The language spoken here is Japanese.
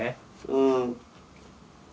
うん。